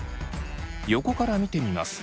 横から見てみます。